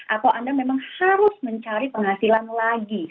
atau anda memang harus mencari penghasilan lagi